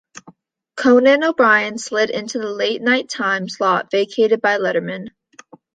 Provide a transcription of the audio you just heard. Conan O'Brien slid into the late night time slot vacated by Letterman.